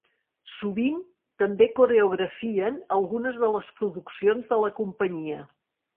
Sovint també coreografien algunes de les produccions de la companyia.